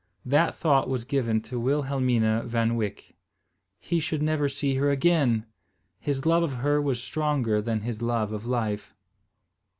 That thought was given to Wilhelmina Van Wyk. He should never see her again! His love of her was stronger than his love of life.